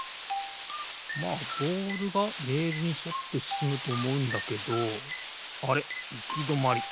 まあボールがレールにそってすすむとおもうんだけどあれっいきどまり。